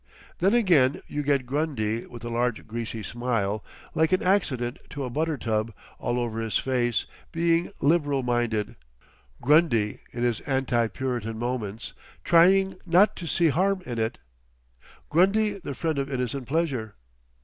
Then again you get Grundy with a large greasy smile—like an accident to a butter tub—all over his face, being Liberal Minded—Grundy in his Anti Puritan moments, 'trying not to see Harm in it'—Grundy the friend of innocent pleasure.